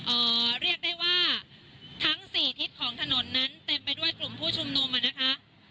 เอ่อเรียกได้ว่าทั้งสี่ทิศของถนนนั้นเต็มไปด้วยกลุ่มผู้ชุมนุมอ่ะนะคะ